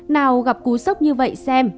nào gặp cú sốc như vậy xem